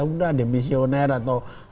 udah ada misioner atau